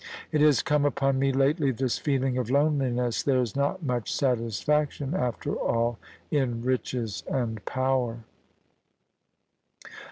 It has come upon me lately, this feeling of loneliness. There's not much satisfac tion, after all, in riches and power.'